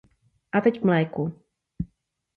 A teď k mléku.